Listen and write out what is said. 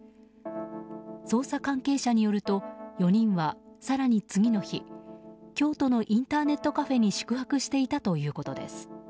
捜査関係者によると４人は、更に次の日京都のインターネットカフェに宿泊していたということです。